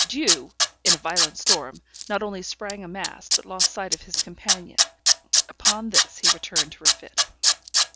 Dew, in a violent storm, not only sprang a mast, but lost sight of his companion. Upon this returned to refit.